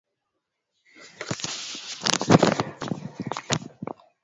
anaenda kutunga muziki wa taarabu Muziki wa taarabu unajua mpana sana Halafu sasa